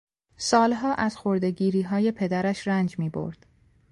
سالها از خردهگیریهای پدرش رنج میبرد.